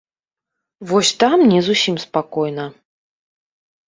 Вось там не зусім спакойна.